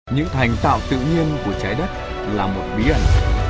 những thành tựu tự nhiên của trái đất là một bí ẩn